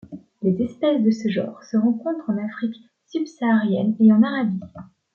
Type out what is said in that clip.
Les espèces de ce genre se rencontrent en Afrique subsaharienne et en Arabie.